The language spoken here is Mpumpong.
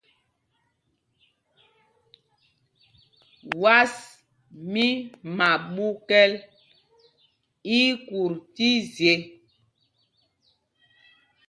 Was mí Maɓúkɛ̌l í í kut tí zye.